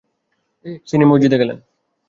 তিনি মসজিদে গেলেন।